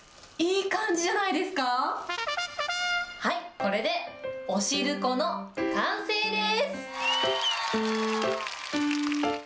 これでおしるこの完成です。